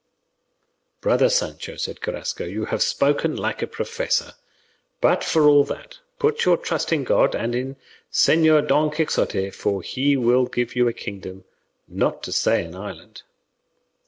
'" "Brother Sancho," said Carrasco, "you have spoken like a professor; but, for all that, put your trust in God and in Señor Don Quixote, for he will give you a kingdom, not to say an island."